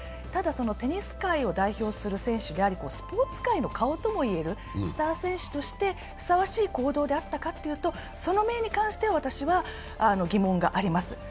ただテニス界を代表する選手でありスポ−ツ界の顔とも言えるスター選手としてふさわしい行動であったかというと、その面に関しては私は疑問があります。